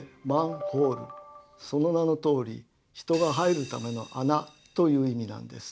その名のとおり「人が入るための穴」という意味なんです。